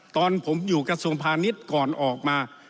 ตอนผมอยู่กระทรวงพาณิชย์ก่อนออกมา